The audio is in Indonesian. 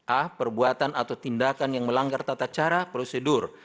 a perbuatan atau tindakan yang melanggar tata cara prosedur